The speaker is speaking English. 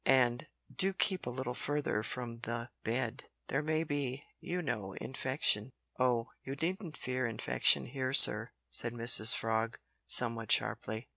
And do keep a little further from the bed. There may be you know infection " "Oh! you needn't fear infection here, sir," said Mrs Frog, somewhat sharply.